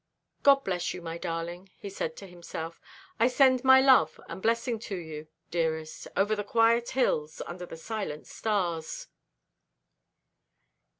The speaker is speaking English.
"God bless you, my darling," he said to himself. "I send my love and blessing to you, dearest, over the quiet hills, under the silent stars."